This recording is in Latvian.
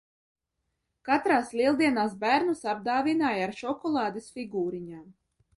Katrās Lieldienās bērnus apdāvināja ar šokolādes figūriņām.